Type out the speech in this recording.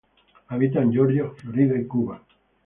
Habita en Georgia, Florida, y Cuba.